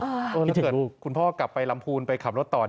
คือคุณพ่อกลับไปลำพูนไปขับรถต่อ